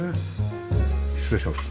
失礼します。